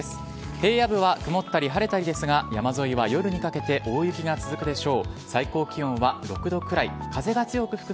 平野部は曇ったり晴れたりですが、山沿いは夜にかけて大雪が続くでしょう。